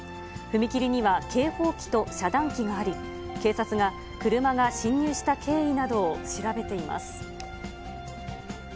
踏切には警報器と遮断機があり、警察が車が進入した経緯などを調べています。